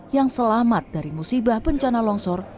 yang selamat dari musibah bencana longsor